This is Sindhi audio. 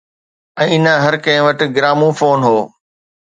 ۽ نه هر ڪنهن وٽ گراموفون هو.